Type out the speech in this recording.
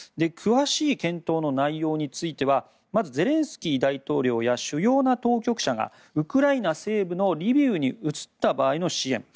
詳しい検討の内容についてはまずはゼレンスキー大統領や主要な当局者がウクライナ西部のリビウに移った場合の支援。